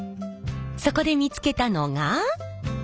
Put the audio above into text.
そこで見つけたのが。